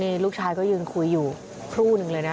นี่ลูกชายก็ยืนคุยอยู่ครู่หนึ่งเลยนะ